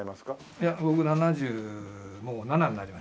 いや僕七十もう７になりました。